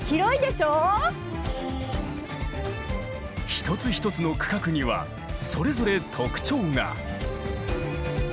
一つ一つの区画にはそれぞれ特徴が。